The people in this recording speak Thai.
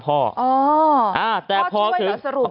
พ่อช่วยหรือสรุป